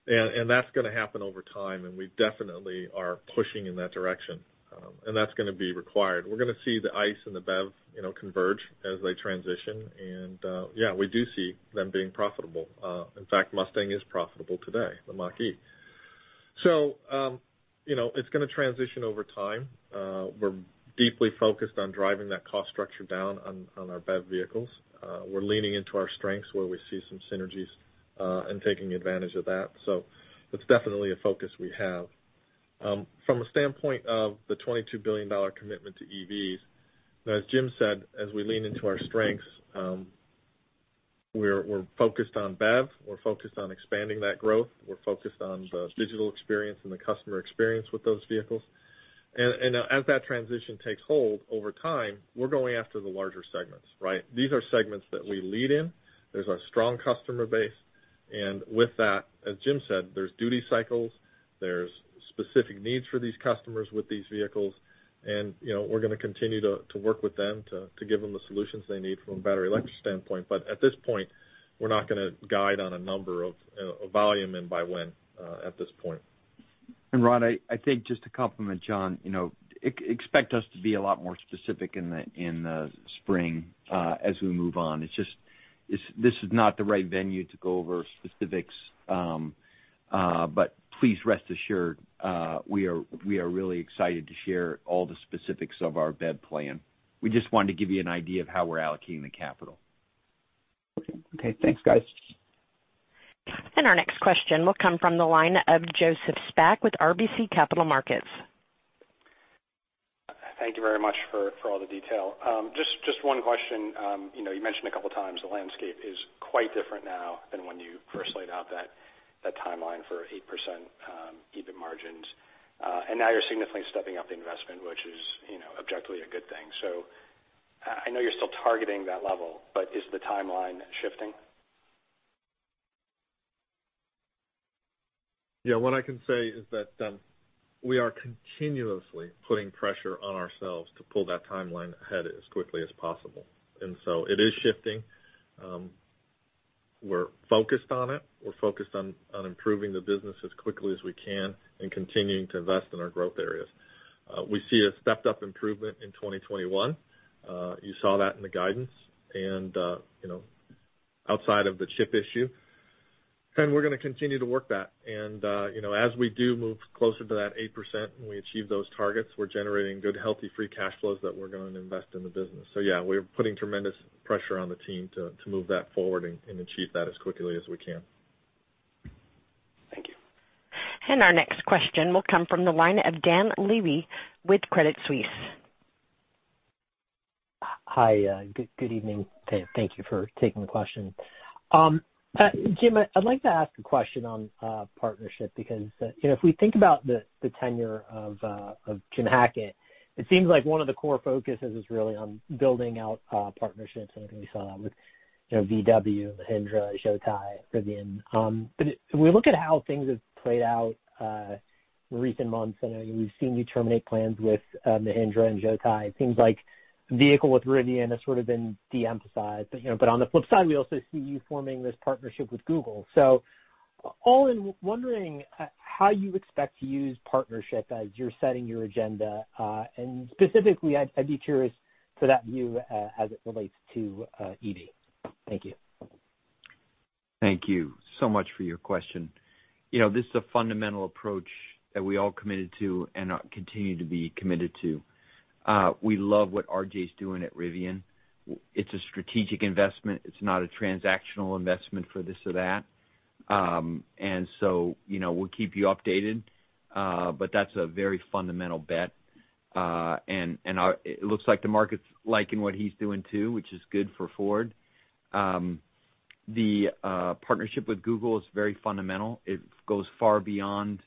That's going to happen over time, and we definitely are pushing in that direction. That's going to be required. We're going to see the ICE and the BEV converge as they transition. Yeah, we do see them being profitable. In fact, Mustang is profitable today, the Mach-E. It's going to transition over time. We're deeply focused on driving that cost structure down on our BEV vehicles. We're leaning into our strengths where we see some synergies and taking advantage of that. That's definitely a focus we have. From a standpoint of the $22 billion commitment to EVs, as Jim said, as we lean into our strengths, we're focused on BEV. We're focused on expanding that growth. We're focused on the digital experience and the customer experience with those vehicles. As that transition takes hold over time, we're going after the larger segments. Right? These are segments that we lead in. There's our strong customer base. With that, as Jim said, there's duty cycles, there's specific needs for these customers with these vehicles. We're going to continue to work with them to give them the solutions they need from a battery electric standpoint. At this point, we're not going to guide on a number of volume and by when, at this point. Rod, I think just to complement John, expect us to be a lot more specific in the spring as we move on. This is not the right venue to go over specifics. Please rest assured, we are really excited to share all the specifics of our BEV plan. We just wanted to give you an idea of how we're allocating the capital. Okay. Thanks, guys. Our next question will come from the line of Joseph Spak with RBC Capital Markets. Thank you very much for all the detail. Just one question. You mentioned a couple of times the landscape is quite different now than when you first laid out that timeline for 8% EBIT margins. Now you're significantly stepping up the investment, which is objectively a good thing. I know you're still targeting that level, but is the timeline shifting? Yeah, what I can say is that we are continuously putting pressure on ourselves to pull that timeline ahead as quickly as possible. It is shifting. We're focused on it. We're focused on improving the business as quickly as we can and continuing to invest in our growth areas. We see a stepped-up improvement in 2021. You saw that in the guidance and outside of the chip issue. We're going to continue to work that. As we do move closer to that 8% and we achieve those targets, we're generating good, healthy free cash flows that we're going to invest in the business. Yeah, we're putting tremendous pressure on the team to move that forward and achieve that as quickly as we can. Thank you. Our next question will come from the line of Dan Levy with Credit Suisse. Hi. Good evening. Thank you for taking the question. Jim, I'd like to ask a question on partnership because if we think about the tenure of Jim Hackett, it seems like one of the core focuses is really on building out partnerships, and I think we saw that with VW, Mahindra, Zotye, Rivian. If we look at how things have played out recent months, I know we've seen you terminate plans with Mahindra and Zotye. It seems like the vehicle with Rivian has sort of been de-emphasized. On the flip side, we also see you forming this partnership with Google. All in, wondering how you expect to use partnership as you're setting your agenda. Specifically, I'd be curious for that view as it relates to EV. Thank you. Thank you so much for your question. This is a fundamental approach that we all committed to and continue to be committed to. We love what RJ's doing at Rivian. It's a strategic investment. It's not a transactional investment for this or that. We'll keep you updated. That's a very fundamental bet. It looks like the market's liking what he's doing, too, which is good for Ford. The partnership with Google is very fundamental. It goes far beyond.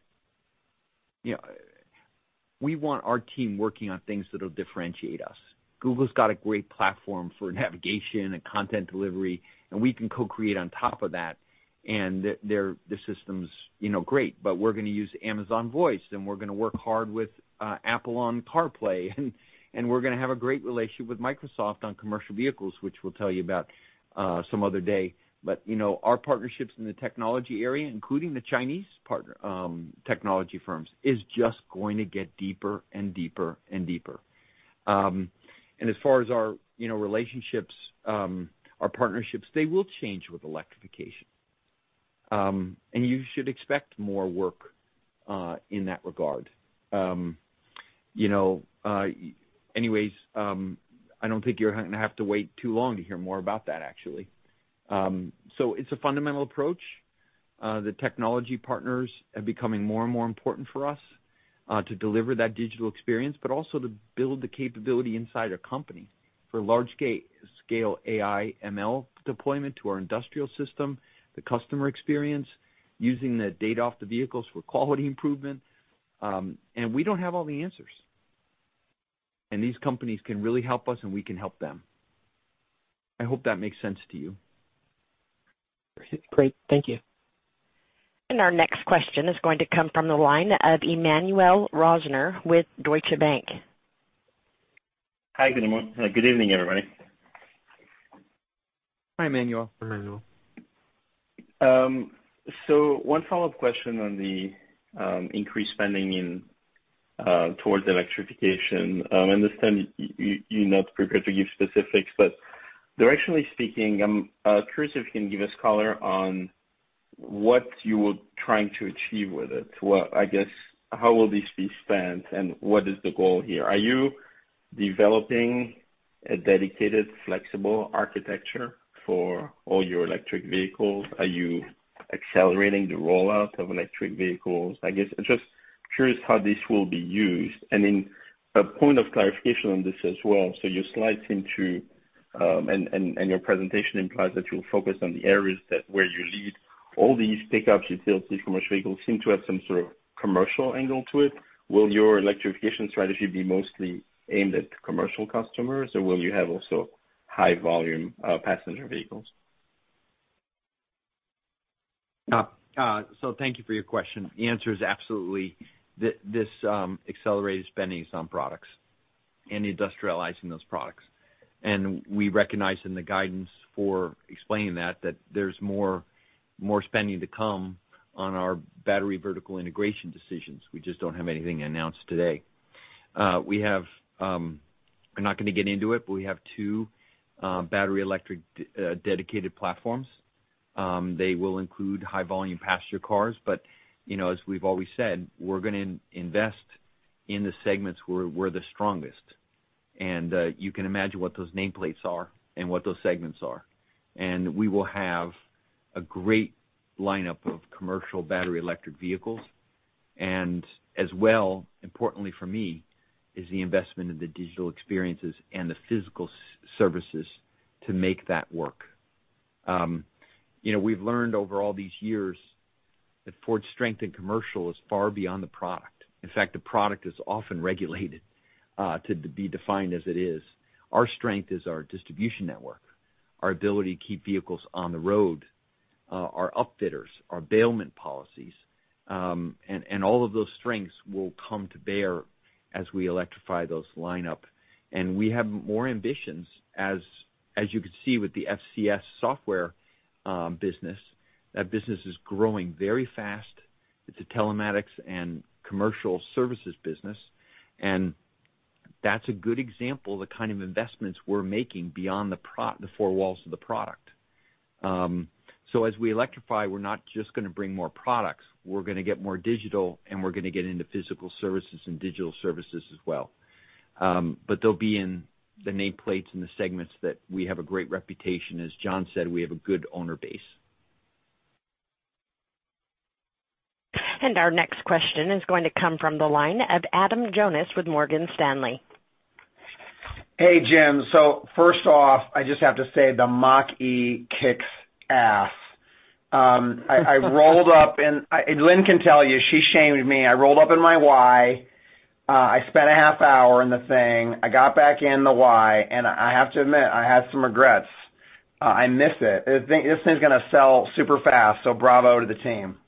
We want our team working on things that'll differentiate us. Google's got a great platform for navigation and content delivery, and we can co-create on top of that. Their system's great, but we're going to use Amazon Voice, and we're going to work hard with Apple on CarPlay. We're going to have a great relationship with Microsoft on commercial vehicles, which we'll tell you about some other day. Our partnerships in the technology area, including the Chinese technology firms, is just going to get deeper and deeper and deeper. As far as our relationships, our partnerships, they will change with electrification. You should expect more work in that regard. Anyways, I don't think you're going to have to wait too long to hear more about that, actually. It's a fundamental approach. The technology partners are becoming more and more important for us to deliver that digital experience, but also to build the capability inside a company for large-scale AI/ML deployment to our industrial system, the customer experience, using the data off the vehicles for quality improvement. We don't have all the answers. These companies can really help us, and we can help them. I hope that makes sense to you. Great. Thank you. Our next question is going to come from the line of Emmanuel Rosner with Deutsche Bank. Hi, good evening, everybody. Hi, Emmanuel. One follow-up question on the increased spending towards electrification. I understand you're not prepared to give specifics, but directionally speaking, I'm curious if you can give us color on what you were trying to achieve with it. How will this be spent, and what is the goal here? Are you developing a dedicated, flexible architecture for all your electric vehicles? Are you accelerating the rollout of electric vehicles? Just curious how this will be used. A point of clarification on this as well. Your slides seem to, and your presentation implies that you'll focus on the areas where you lead all these pickups, FDT, commercial vehicles seem to have some sort of commercial angle to it. Will your electrification strategy be mostly aimed at commercial customers, or will you have also high volume passenger vehicles? Thank you for your question. The answer is absolutely. This accelerated spending is on products and industrializing those products. We recognize in the guidance for explaining that there's more spending to come on our battery vertical integration decisions. We just don't have anything to announce today. I'm not going to get into it, but we have two battery electric dedicated platforms. They will include high-volume passenger cars. As we've always said, we're going to invest in the segments where we're the strongest. You can imagine what those nameplates are and what those segments are. We will have a great lineup of commercial battery electric vehicles. As well, importantly for me, is the investment in the digital experiences and the physical services to make that work. We've learned over all these years that Ford's strength in commercial is far beyond the product. In fact, the product is often regulated to be defined as it is. Our strength is our distribution network, our ability to keep vehicles on the road, our upfitters, our bailment policies. All of those strengths will come to bear as we electrify those lineup. We have more ambitions. As you can see with the FCS software business, that business is growing very fast. It's a telematics and commercial services business, and that's a good example of the kind of investments we're making beyond the four walls of the product. As we electrify, we're not just going to bring more products. We're going to get more digital, and we're going to get into physical services and digital services as well. They'll be in the nameplates and the segments that we have a great reputation. As John said, we have a good owner base. Our next question is going to come from the line of Adam Jonas with Morgan Stanley. Hey, Jim. First off, I just have to say, the Mach-E kicks ass. Lynn can tell you, she shamed me. I rolled up in my Y. I spent a half hour in the thing. I got back in the Y, and I have to admit, I have some regrets. I miss it. This thing's going to sell super fast, so bravo to the team.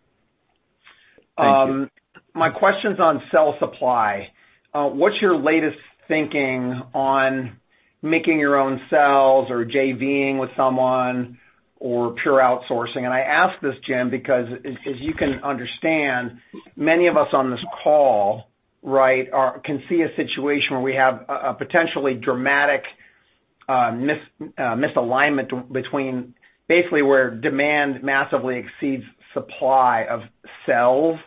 My question's on cell supply. What's your latest thinking on making your own cells or JV-ing with someone or pure outsourcing? I ask this, Jim, because as you can understand, many of us on this call can see a situation where we have a potentially dramatic misalignment between basically where demand massively exceeds supply of cells.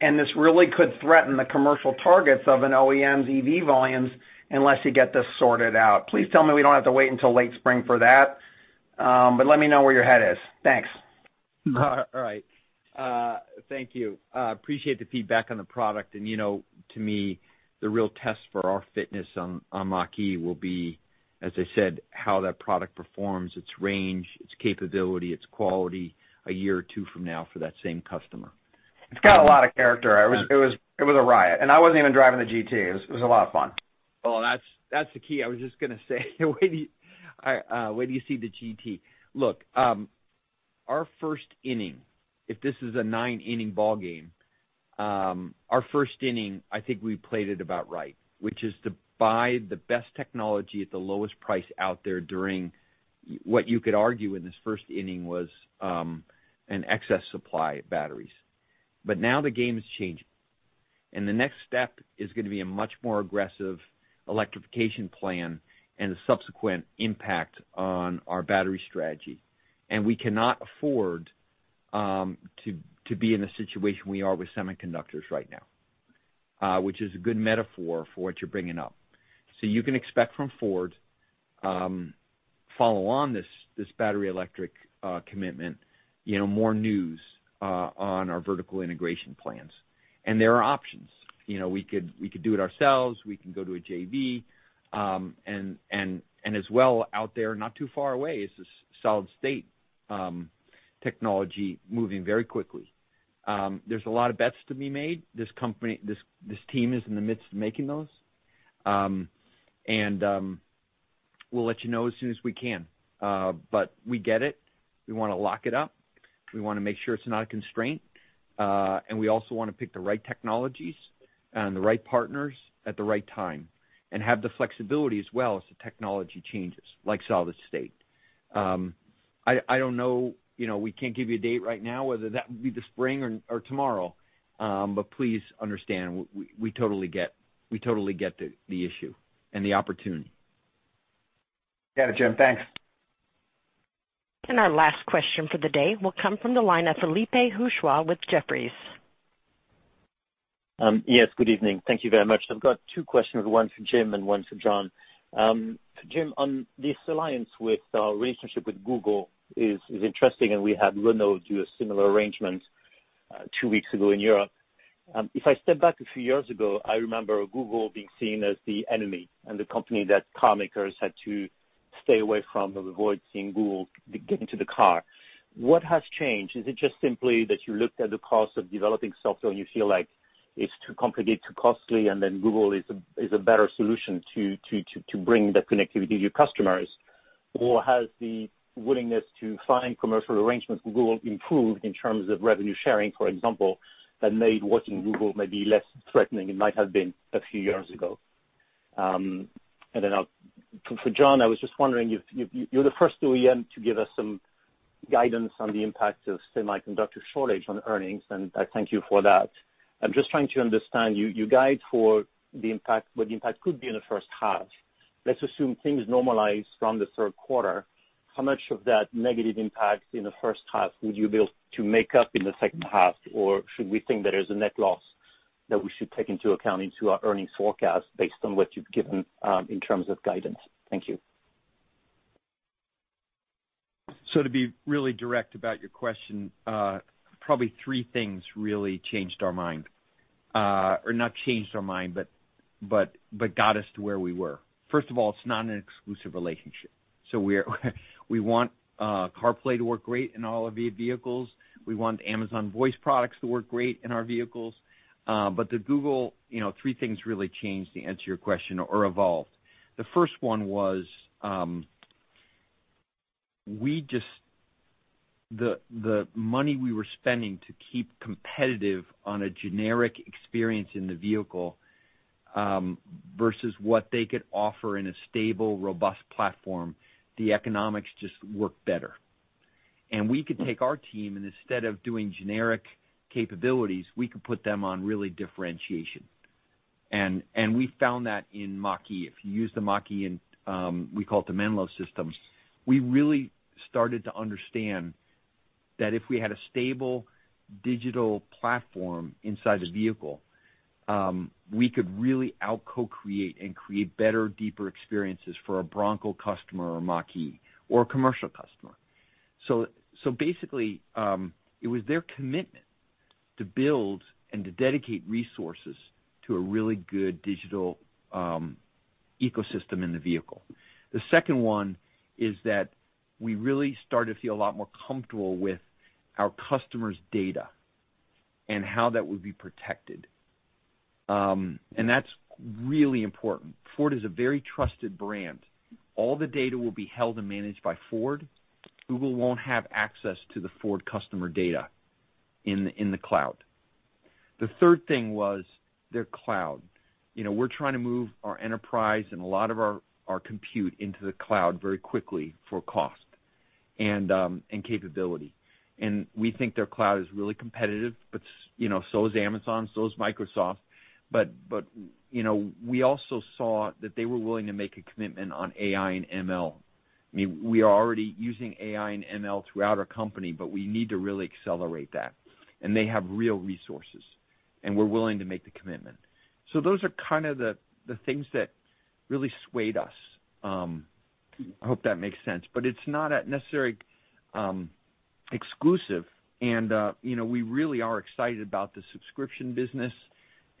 This really could threaten the commercial targets of an OEM's EV volumes unless you get this sorted out. Please tell me we don't have to wait until late spring for that. Let me know where your head is. Thanks. All right. Thank you. Appreciate the feedback on the product. To me, the real test for our fitness on Mach-E will be, as I said, how that product performs, its range, its capability, its quality a year or two from now for that same customer. It's got a lot of character. It was a riot. I wasn't even driving the GT. It was a lot of fun. Well, that's the key. I was just going to say wait till you see the GT. Look, our first inning, if this is a nine-inning ballgame, our first inning, I think we played it about right, which is to buy the best technology at the lowest price out there during what you could argue in this first inning was an excess supply of batteries. Now the game is changing. The next step is going to be a much more aggressive electrification plan and a subsequent impact on our battery strategy. We cannot afford to be in the situation we are with semiconductors right now, which is a good metaphor for what you're bringing up. You can expect from Ford, follow on this battery electric commitment, more news on our vertical integration plans. There are options. We could do it ourselves. We can go to a JV. As well, out there, not too far away, is this solid state technology moving very quickly. There's a lot of bets to be made. This team is in the midst of making those. We'll let you know as soon as we can. We get it. We want to lock it up. We want to make sure it's not a constraint. We also want to pick the right technologies and the right partners at the right time and have the flexibility as well as the technology changes, like solid state. I don't know. We can't give you a date right now whether that would be the spring or tomorrow. Please understand, we totally get the issue and the opportunity. Got it, Jim. Thanks. Our last question for the day will come from the line of Philippe Houchois with Jefferies. Yes, good evening. Thank you very much. I've got two questions, one for Jim and one for John. Jim, on this alliance with our relationship with Google is interesting, and we had Renault do a similar arrangement two weeks ago in Europe. If I step back a few years ago, I remember Google being seen as the enemy and the company that car makers had to stay away from or avoid seeing Google get into the car. What has changed? Is it just simply that you looked at the cost of developing software and you feel like it's too complicated, too costly, and then Google is a better solution to bring that connectivity to your customers? Has the willingness to find commercial arrangements with Google improved in terms of revenue sharing, for example, that made working with Google maybe less threatening than it might have been a few years ago? Then for John, I was just wondering, you're the first OEM to give us some guidance on the impact of semiconductor shortage on earnings, and I thank you for that. I'm just trying to understand, you guide for what the impact could be in the first half. Let's assume things normalize from the third quarter. How much of that negative impact in the first half would you be able to make up in the second half? Should we think there is a net loss that we should take into account into our earnings forecast based on what you've given in terms of guidance? Thank you. To be really direct about your question, probably three things really changed our mind. Not changed our mind, but got us to where we were. First of all, it's not an exclusive relationship. We want CarPlay to work great in all of the vehicles. We want Amazon Voice products to work great in our vehicles. The Google, three things really changed to answer your question, or evolved. The first one was, the money we were spending to keep competitive on a generic experience in the vehicle, versus what they could offer in a stable, robust platform, the economics just worked better. We could take our team, and instead of doing generic capabilities, we could put them on really differentiation. We found that in Mach-E. If you use the Mach-E, and we call it the Menlo Systems, we really started to understand that if we had a stable digital platform inside the vehicle, we could really out-co-create and create better, deeper experiences for a Bronco customer or Mach-E or a commercial customer. Basically, it was their commitment to build and to dedicate resources to a really good digital ecosystem in the vehicle. The second one is that we really started to feel a lot more comfortable with our customers' data and how that would be protected. That's really important. Ford is a very trusted brand. All the data will be held and managed by Ford. Google won't have access to the Ford customer data in the cloud. The third thing was their cloud. We're trying to move our enterprise and a lot of our compute into the cloud very quickly for cost and capability. We think their cloud is really competitive, but so is Amazon's, so is Microsoft's. We also saw that they were willing to make a commitment on AI and ML. We are already using AI and ML throughout our company, but we need to really accelerate that. They have real resources, and were willing to make the commitment. Those are kind of the things that really swayed us. I hope that makes sense. It's not necessarily exclusive, and we really are excited about the subscription business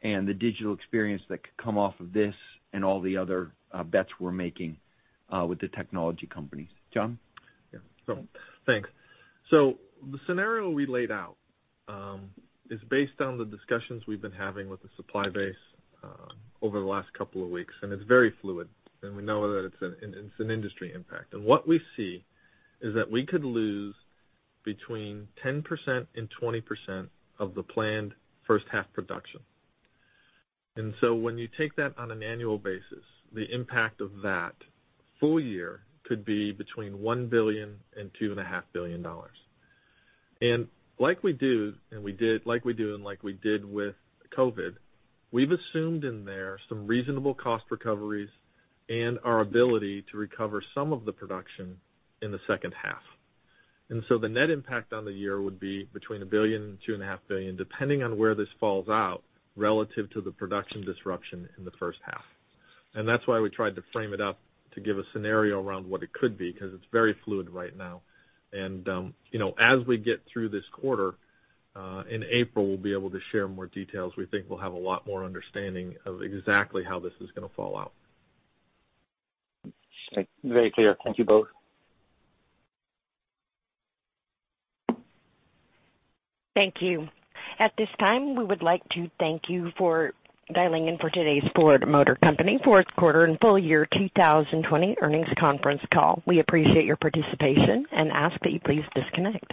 and the digital experience that could come off of this and all the other bets we're making with the technology companies. John? Yeah. Thanks. The scenario we laid out is based on the discussions we've been having with the supply base over the last couple of weeks, and it's very fluid. We know that it's an industry impact. What we see is that we could lose between 10%-20% of the planned first half production. When you take that on an annual basis, the impact of that full year could be between $1 billion and $2.5 billion. Like we do and like we did with COVID-19, we've assumed in there some reasonable cost recoveries and our ability to recover some of the production in the second half. The net impact on the year would be between $1 billion and $2.5 billion, depending on where this falls out relative to the production disruption in the first half. That's why we tried to frame it up to give a scenario around what it could be, because it's very fluid right now. As we get through this quarter, in April, we'll be able to share more details. We think we'll have a lot more understanding of exactly how this is going to fall out. Very clear. Thank you both. Thank you. At this time, we would like to thank you for dialing in for today's Ford Motor Company fourth quarter and full year 2020 earnings conference call. We appreciate your participation and ask that you please disconnect.